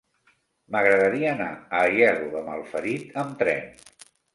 M'agradaria anar a Aielo de Malferit amb tren.